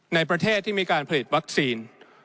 ในประเทศที่มีการผลิตวัคซีน